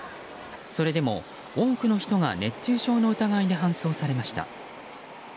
それでも多くの人が熱中症の疑いで搬送されました。